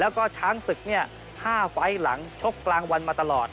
แล้วก็ช้างศึก๕ไฟล์หลังชกกลางวันมาตลอด